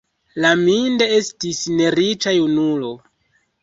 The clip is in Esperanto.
Laminde estis neriĉa junulo.